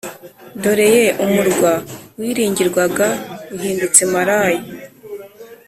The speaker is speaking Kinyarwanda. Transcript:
Dore ye, umurwa wiringirwaga uhindutse maraya